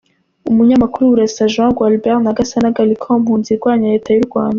Umunyamakuru Burasa Jean Gualbert na Gasana Gallican umpunzi irwanya Leta y’u Rwanda